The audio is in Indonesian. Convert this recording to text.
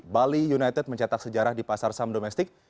bali united mencetak sejarah di pasar saham domestik